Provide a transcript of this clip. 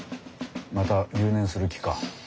また留年する気か。